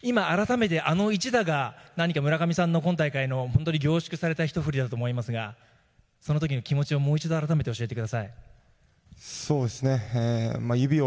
今改めてあの１打が何か村上さんの今大会の本当に凝縮された１振りだと思いますが、そのときの気持ちをもう一度改めて教えてください。